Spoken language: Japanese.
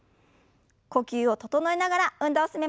呼吸を整えながら運動を進めましょう。